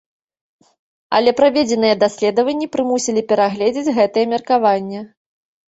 Але праведзеныя даследаванні прымусілі перагледзець гэтае меркаванне.